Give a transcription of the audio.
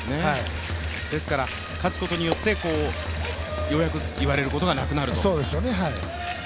ですから勝つことによってようやく言われることがなくなる。